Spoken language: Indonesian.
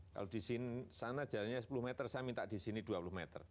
kalau di sana jalannya sepuluh meter saya minta di sini dua puluh meter